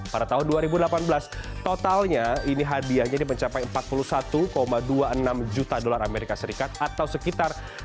pada tahun dua ribu delapan belas totalnya ini hadiahnya ini mencapai empat puluh satu dua puluh enam juta dolar amerika serikat atau sekitar